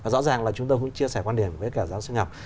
rõ ràng là chúng tôi cũng chia sẻ quan điểm với cả giáo sư ngọc